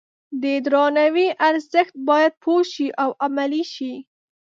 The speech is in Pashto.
د درناوي ارزښت باید پوه شي او عملي شي.